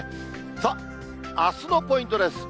さあ、あすのポイントです。